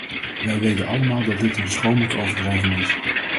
Wij weten allemaal dat dit een schromelijke overdrijving is.